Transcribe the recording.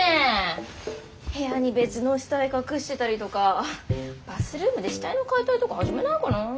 部屋に別の死体隠してたりとかバスルームで死体の解体とか始めないかな。